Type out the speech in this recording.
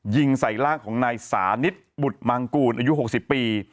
ยิงใส่ร่างของนายสานิทบุตรมังกูลอายุ๖๐ปี